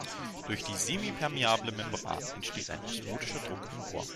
Durch die semipermeable Membran entsteht ein osmotischer Druck im Rohr.